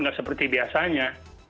gak seperti biasanya